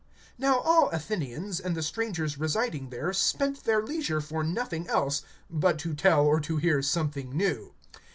(21)Now all Athenians, and the strangers residing there, spent their leisure for nothing else, but to tell or to hear something new.